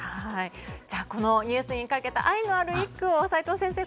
じゃあ、このニュースにかけた愛のある一句を齋藤先生